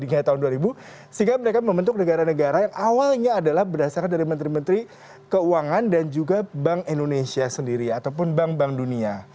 sehingga mereka membentuk negara negara yang awalnya adalah berdasarkan dari menteri menteri keuangan dan juga bank indonesia sendiri ataupun bank bank dunia